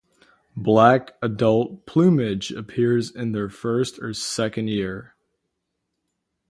Black adult plumage appears in their first or second year.